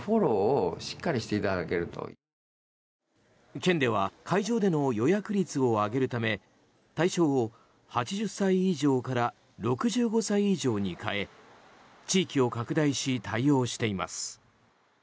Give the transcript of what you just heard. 県では会場での予約率を上げるため対象を８０歳以上から６５歳以上に変え地域を拡大し、対応しています。